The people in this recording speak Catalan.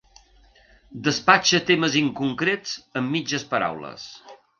Despatxa temes inconcrets amb mitges paraules.